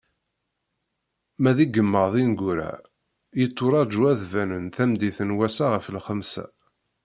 Ma d igemmaḍ ineggura, yetturaǧu ad d-banen tameddit n wass-a ɣef lxemsa.